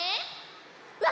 うわ！